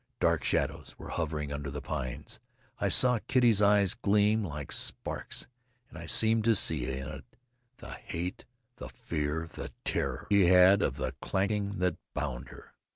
Dark shadows were hovering under the pines. I saw Kitty's eyes gleam like sparks, and I seemed to see in them the hate, the fear, the terror she had of the clanking thing that bound her!